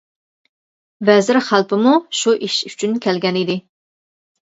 ۋەزىر خەلپىمۇ شۇ ئىش ئۈچۈن كەلگەن ئىدى.